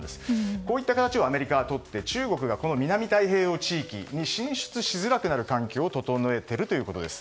こういった形をアメリカはとって中国が南太平洋地域に進出しづらくなる環境を整えているということです。